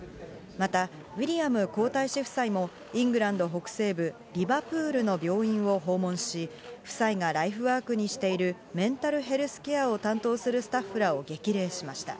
またウィリアム皇太子夫妻もイングランド北西部リバプールの病院を訪問し、夫妻がライフワークにしているメンタルヘルスケアを担当するスタッフらを激励しました。